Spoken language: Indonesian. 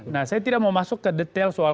nah saya tidak mau masuk ke detail soal